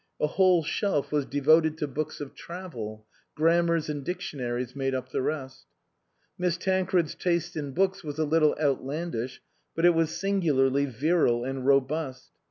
A whole shelf was devoted to books of travel ; grammars and dictionaries made up the rest. Miss Tancred's taste in books was a little outlandish, but it was singularly virile and robust.